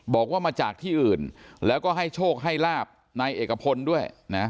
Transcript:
บอกว่ามาจากที่อื่นแล้วก็ให้โชคให้ลาบนายเอกพลด้วยนะ